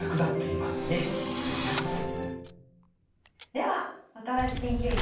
では若林研究員